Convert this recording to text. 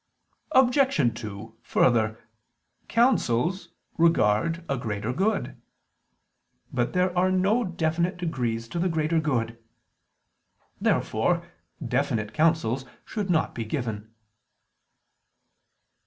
Obj. 2: Further, counsels regard a greater good. But there are no definite degrees to the greater good. Therefore definite counsels should not be given.